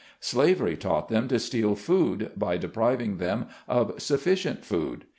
Slavery taught them to steal food, by depriving them of sufficient food.